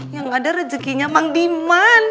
yang ada rejekinya mangdiman